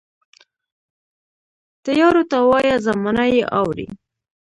تیارو ته وایه، زمانه یې اورې